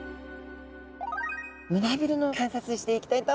胸びれの観察していきたいと思います。